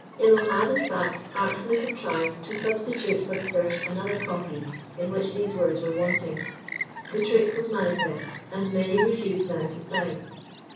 Illo had, in fact, artfully contrived to substitute for the first another copy, in which these words were wanting. The trick was manifest, and many refused now to sign.